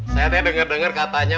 saya nanti denger denger katanya